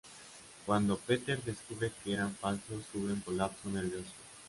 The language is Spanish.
Cuando Peter descubre que eran falsos, sufre un colapso nervioso.